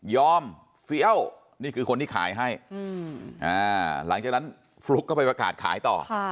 เฟี้ยวนี่คือคนที่ขายให้หลังจากนั้นฟลุ๊กก็ไปประกาศขายต่อ